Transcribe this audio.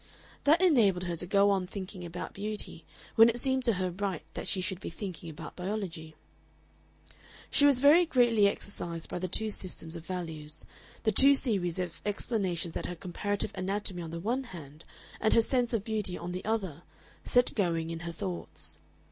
That enabled her to go on thinking about beauty when it seemed to her right that she should be thinking about biology. She was very greatly exercised by the two systems of values the two series of explanations that her comparative anatomy on the one hand and her sense of beauty on the other, set going in her thoughts.